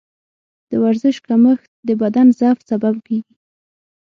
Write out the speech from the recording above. د ورزش کمښت د بدن ضعف سبب کېږي.